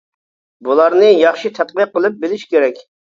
بۇلارنى ياخشى تەتقىق قىلىپ بىلىش كېرەك.